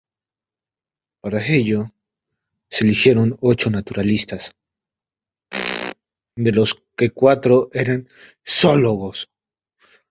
Para ello, se eligieron ocho naturalistas, de los que cuatro eran zoólogos.